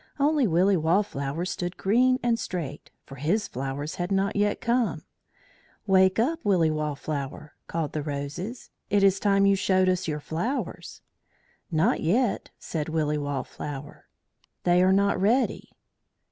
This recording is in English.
Only Willy Wallflower stood green and straight, for his flowers had not yet come. "Wake up, Willy Wallflower!" called the Roses. "It is time you showed us your flowers." "Not yet," said Willy Wallflower. "They are not ready."